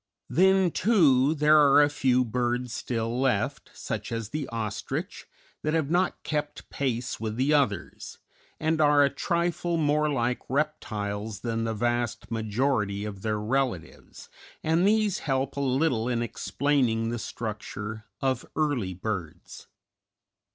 Then, too, there are a few birds still left, such as the ostrich, that have not kept pace with the others, and are a trifle more like reptiles than the vast majority of their relatives, and these help a little in explaining the structure of early birds.